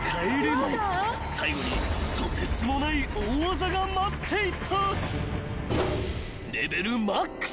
［最後にとてつもない大技が待っていた］